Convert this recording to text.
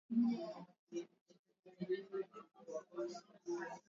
wanyama wazima kiafya